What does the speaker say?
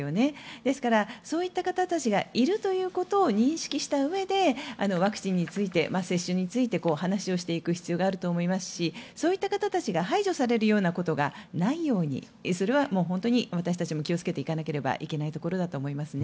ですから、そういった方たちがいるということを認識したうえでワクチンについて接種について話していく必要があると思いますしそういった方たちが排除されることがないようにそれは本当に私たちも気をつけていかないといけないところですね。